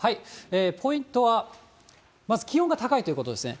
ポイントはまず気温が高いということですね。